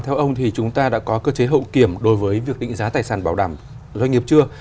theo ông thì chúng ta đã có cơ chế hậu kiểm đối với việc định giá tài sản bảo đảm doanh nghiệp chưa